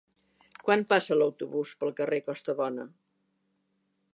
Quan passa l'autobús pel carrer Costabona?